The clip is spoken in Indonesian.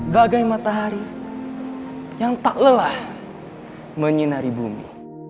bagai matahari yang tak lelah menyinari bumi